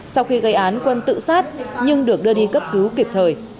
sau khi gây án quân tự sát nhưng được đưa đi cấp cứu kịp thời